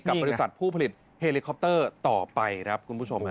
กับบริษัทผู้ผลิตเฮลิคอปเตอร์ต่อไปครับคุณผู้ชม